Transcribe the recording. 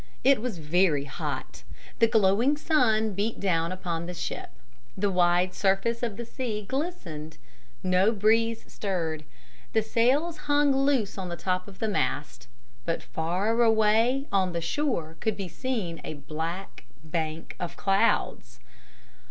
It was very hot. The glowing sun beat down upon the ship. The wide surface of the sea glistened. No breeze stirred. The sails hung loose on the top of the mast. But far away on the shore could be seen a black bank of clouds.